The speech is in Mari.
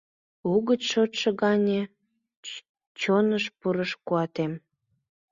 Угыч шочшо гане чоныш пурыш куатем.